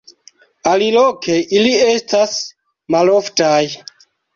Aliloke ili estas maloftaj.